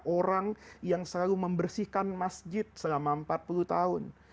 orang yang selalu membersihkan masjid selama empat puluh tahun